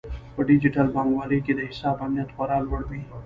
په ډیجیټل بانکوالۍ کې د حساب امنیت خورا لوړ وي.